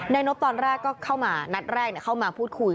นบตอนแรกก็เข้ามานัดแรกเข้ามาพูดคุย